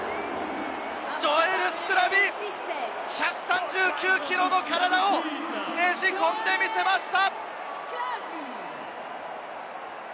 ジョエル・スクラビ、１３９ｋｇの体をねじ込んでみせました！